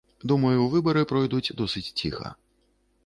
Думаю, выбары пройдуць досыць ціха.